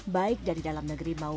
baik dari dalam negeri maupun